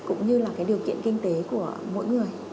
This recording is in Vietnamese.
cũng như là cái điều kiện kinh tế của mỗi người